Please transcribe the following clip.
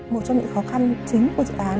một trong những khó khăn chính của dự án